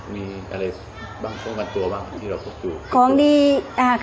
มีอะไรบ้างต้องการตัวบ้างที่เราพบครู